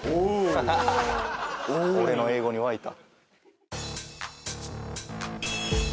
ハハハ俺の英語に沸いた。